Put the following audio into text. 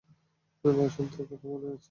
বাসন্তির কথা মনে আছে?